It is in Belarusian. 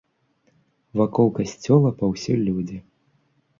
Вакол касцёла паўсюль людзі.